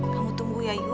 kamu tunggu ya yu